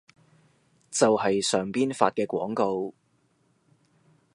就係上邊發嘅廣告